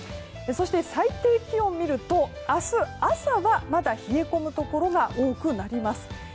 そして最低気温を見ると明日朝は、まだ冷え込むところが多くなります。